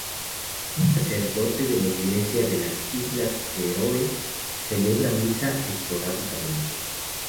Un sacerdote de la Iglesia de las Islas Feroe celebra misa esporádicamente.